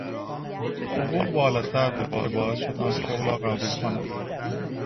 حقوق بالاتر بود که باعث شد آن شغل را قبول کند.